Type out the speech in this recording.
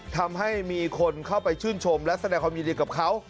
ทำให้มีคนเข้าไปชื่นชมและแสดงความยินดีกับเขา